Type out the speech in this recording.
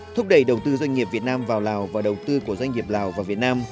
thúc đẩy đầu tư doanh nghiệp việt nam vào lào và đầu tư của doanh nghiệp lào và việt nam